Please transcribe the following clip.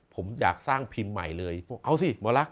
ผมอยากสร้างพิมพ์ใหม่เลยบอกเอาสิหมอลักษ